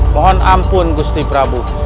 mohon ampun gusti prabu